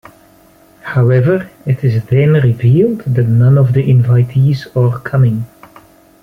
However, it is then revealed that none of the invitees are coming.